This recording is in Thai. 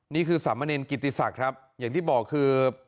นี่คือสามเณรกิติศักดิ์ครับอย่างที่บอกคือ